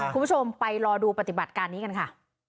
คุณผู้ชมไปรอดูปฏิบัติการนี้กันค่ะ